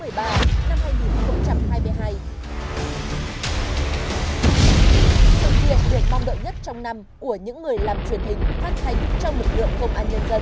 sự kiện được mong đợi nhất trong năm của những người làm truyền hình phát thanh trong lực lượng công an nhân dân